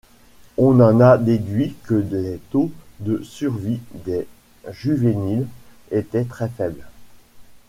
On en a déduit que les taux de survie des juvéniles étaient très faibles.